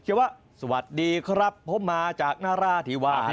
เขียนว่าสวัสดีครับผมมาจากนรฌาธิวัตริย์